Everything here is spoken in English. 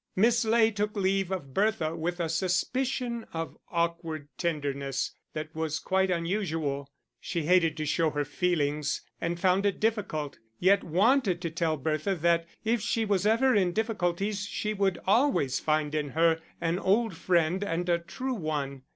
Miss Ley took leave of Bertha with a suspicion of awkward tenderness that was quite unusual; she hated to show her feelings, and found it difficult, yet wanted to tell Bertha that if she was ever in difficulties she would always find in her an old friend and a true one.